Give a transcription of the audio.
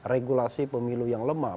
regulasi pemilu yang lemah